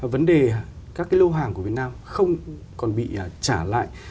vấn đề các cái lô hàng của việt nam không còn bị trả lại